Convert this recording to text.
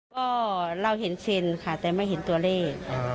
ก็เราเห็นเซ็นค่ะแต่ไม่เห็นตัวเลข